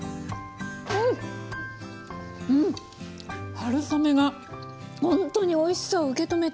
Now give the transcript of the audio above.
春雨がほんとにおいしさを受け止めて。